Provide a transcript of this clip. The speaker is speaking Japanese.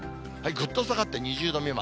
ぐっと下がって２０度未満。